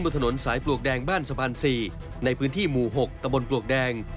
ถนนสายปลวกแดงบ้านสะพาน๔ในพื้นที่หมู่๖ตะบนปลวกแดง